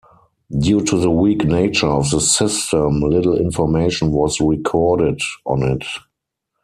Due to the weak nature of the system, little information was recorded on it.